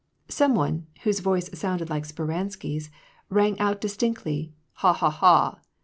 Some one, whose voice sounded sup@][>eranBky's, rang out distinctly : ha ha ha.